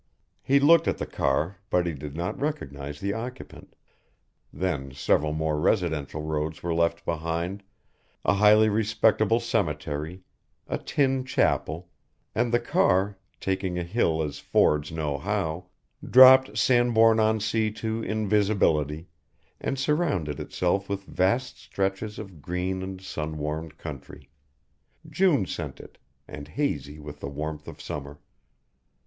He looked at the car but he did not recognize the occupant, then several more residential roads were left behind, a highly respectable cemetery, a tin chapel, and the car, taking a hill as Fords know how, dropped Sandbourne on Sea to invisibility and surrounded itself with vast stretches of green and sun warmed country, June scented, and hazy with the warmth of summer.